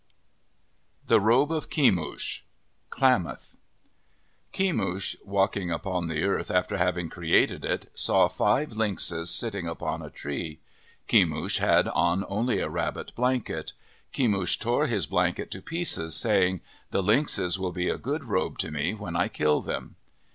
MYTHS AND LEGENDS THE ROBE OF KEMUSH Klamath KEMUSH, walking upon the earth after hav ing created it, saw five lynxes sitting upon a tree. Kemush had on only a rabbit blanket. Kemush tore his blanket to pieces, saying, "The lynxes will be a good robe to me when I kill them."